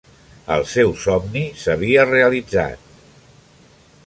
El seu somni s'havia realitzat.